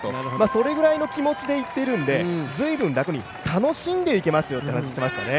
それぐらいの気持ちで行っているんで、ずいぶん楽に楽しんでいけますよという話をしていましたね。